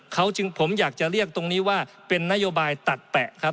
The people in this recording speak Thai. เขาจึงผมอยากจะเรียกตรงนี้ว่าเป็นนโยบายตัดแปะครับ